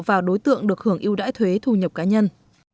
vào đối tượng được hưởng yêu đãi thuê thu nhập cá nhân